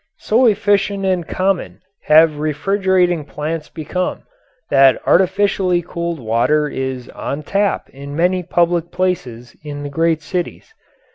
So efficient and common have refrigerating plants become that artificially cooled water is on tap in many public places in the great cities.